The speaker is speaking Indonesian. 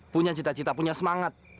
punya cita cita punya semangat